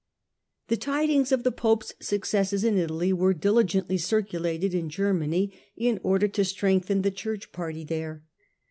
The tidings of the pope's successes in Italy were diligently circulated in Germany in order to strengthen the church party there.